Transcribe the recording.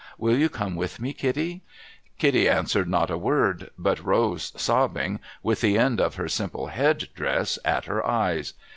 Will you come with me, Kitty ?' Kitty answered not a word, but rose sobbing, with the end of her simple head dress at her eyes.